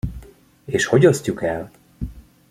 És hogy osztjuk el?